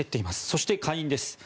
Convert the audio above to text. そして、下院です。